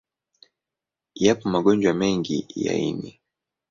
Yapo magonjwa mengi ya ini.